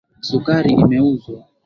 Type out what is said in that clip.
Sukari imeuzwa.